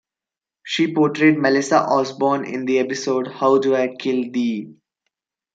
She portrayed Melissa Osborne in the episode How Do I Kill Thee?